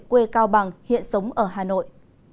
quê cao bằng hiện sống ở hà nội